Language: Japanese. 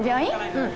うん。